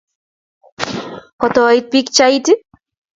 kotoit pikchait